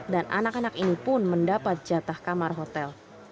dan anak anak ini pun mendapat jatah kamar hotel